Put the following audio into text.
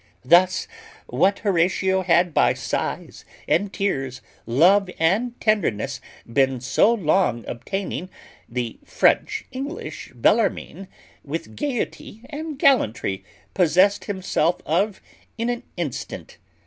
Thus what Horatio had by sighs and tears, love and tenderness, been so long obtaining, the French English Bellarmine with gaiety and gallantry possessed himself of in an instant.